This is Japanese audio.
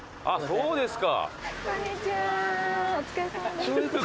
そうですか。